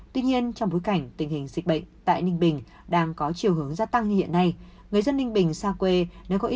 tuy nhiên trong bối cảnh tình hình dịch bệnh tại ninh bình đang có chiều hướng gia tăng hiện nay